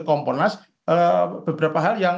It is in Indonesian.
komponas beberapa hal yang